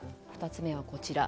２つ目はこちら。